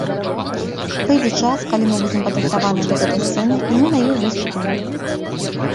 Прыйдзе час, калі мы будзем падрыхтаваныя да гэтай сцэны, і мы на ёй выступім.